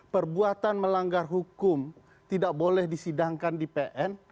perbuatan melanggar hukum tidak boleh disidangkan di pn